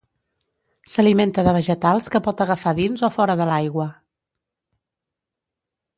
S'alimenta de vegetals que pot agafar dins o fora de l'aigua.